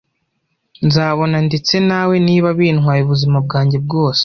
Nzabona ndetse nawe, niba bintwaye ubuzima bwanjye bwose.